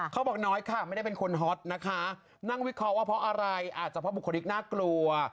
บอกน้อยค่ะไม่ได้เป็นคนฮอตนะคะนั่งวิเคราะห์ว่าเพราะอะไรอาจจะเพราะบุคลิกน่ากลัว